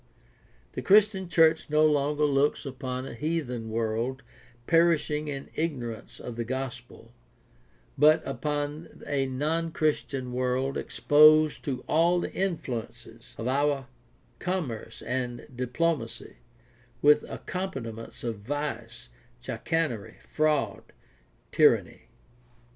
The Christian church no longer looks upon a heathen world perishing in ignorance of the gospel, but upon a non Christian world exposed to all the influences of our commerce and diplomacy, with accompaniments of vice, chicanery, fraud, tyranny.